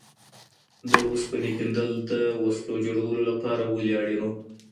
د اوسپنې کیندل د وسلو جوړولو لپاره ولې اړین وو؟